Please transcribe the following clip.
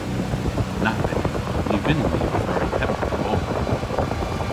Na vynnyn. Ny vynnyn ni oberi heb gober.